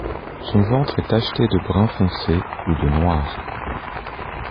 Son ventre est tacheté de brun foncé ou de noir.